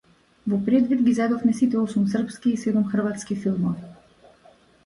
Во предвид ги зедовме сите осум српски и седум хрватски филмови.